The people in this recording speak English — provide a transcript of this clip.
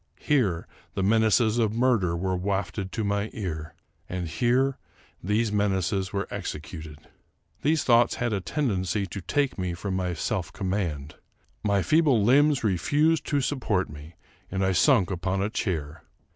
Here the menaces of murder were wafted to my ear ; and here these menaces were executed. These thoughts had a tendency to take from me my self command. My feeble limbs refused to support me, and I sunk upon a chair.